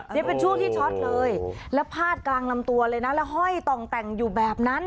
นี่เป็นช่วงที่ช็อตเลยแล้วพาดกลางลำตัวเลยนะแล้วห้อยต่องแต่งอยู่แบบนั้น